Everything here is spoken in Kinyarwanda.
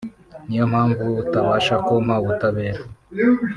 niyo mpamvu utabasha kumpa ubutabera”